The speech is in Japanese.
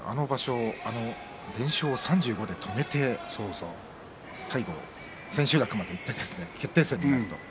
連勝を３５で止めて最後、千秋楽までいって決定戦でした。